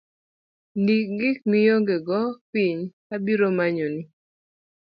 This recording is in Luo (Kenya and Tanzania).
Ndik gik maionge go piny , adhi amanyni